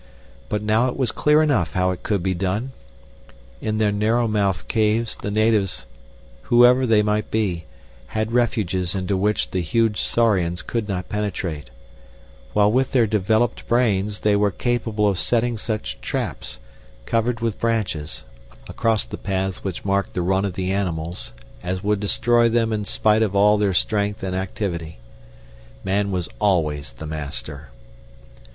But now it was clear enough how it could be done. In their narrow mouthed caves the natives, whoever they might be, had refuges into which the huge saurians could not penetrate, while with their developed brains they were capable of setting such traps, covered with branches, across the paths which marked the run of the animals as would destroy them in spite of all their strength and activity. Man was always the master.